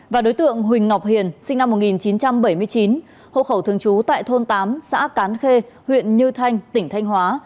và đối tượng huỳnh ngọc hiền sinh năm một nghìn chín trăm bảy mươi chín hộ khẩu thường trú tại thôn tám xã cán khê huyện như thanh tỉnh thanh hóa